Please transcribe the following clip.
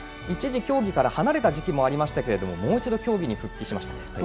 一時競技から離れた時期もありましたがもう一度競技に復帰しました。